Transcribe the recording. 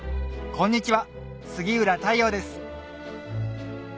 こんにちは杉浦太陽です